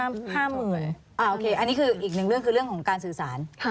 อันนี้คืออีกหนึ่งเรื่องคือเรื่องของการสื่อสาร